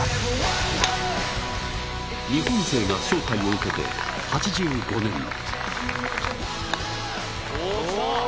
日本勢が招待を受けて８５年。